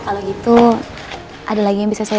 kalau gitu ada lagi yang bisa saya